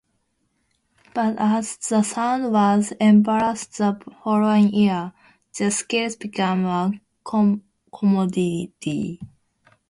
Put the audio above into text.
But as the sound was embraced the following year, their skills became a commodity.